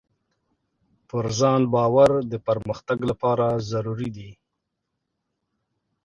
پر ځان باور د پرمختګ لپاره ضروري دی.